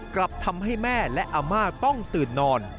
กลับทำให้แม่และอาม่าต้องตื่นนอน